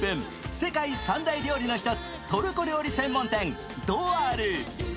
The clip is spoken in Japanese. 世界三大料理１つ、トルコ料理専門店ドアル。